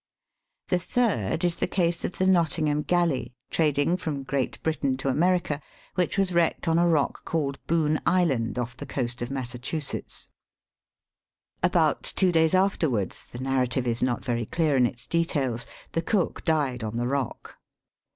The third, is the case of the Nottingham Galley, trading from Great Britain to America, Ch«rle« Dicker. THE LOST ARCTIC VOYAGERS. 391 •which was wrecked on a rock called Boon Island, oil' tli>' const of Massachusetts. About two (l;i.vs afterwards — the narrative is not very clear in its details — the cook died on the rock.